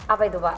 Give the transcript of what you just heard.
apa itu pak